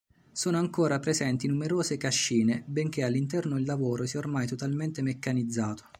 Sono ancora presenti numerose cascine, benché all'interno il lavoro sia ormai totalmente meccanizzato.